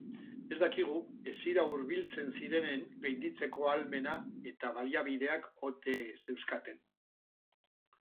Ez dakigu hesira hurbiltzen zirenek gainditzeko ahalmena eta baliabideak ote zeuzkaten.